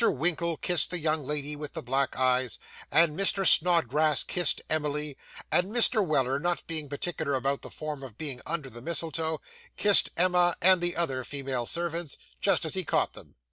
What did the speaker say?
Winkle kissed the young lady with the black eyes, and Mr. Snodgrass kissed Emily; and Mr. Weller, not being particular about the form of being under the mistletoe, kissed Emma and the other female servants, just as he caught them.